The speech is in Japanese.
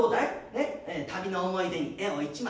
ねえ旅の思い出に絵を１枚。